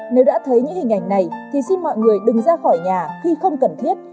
nếu đã thấy những hình ảnh này thì xin mọi người đừng ra khỏi nhà khi không cần thiết